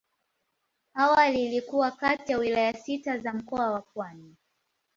Awali ilikuwa kati ya wilaya sita za Mkoa wa Pwani.